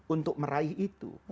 untuk meraih itu